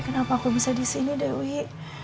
kenapa aku bisa disini dewi